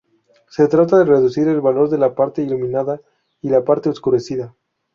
Se trata de reducir el valor de la parte iluminada y la parte oscurecida.